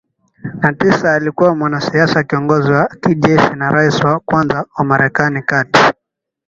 na tisa alikuwa mwanasiasa kiongozi wa kijeshi na rais wa kwanza wa Marekani kati